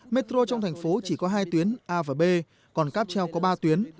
metro trong thành phố chỉ có hai tuyến a và b còn cáp treo có ba tuyến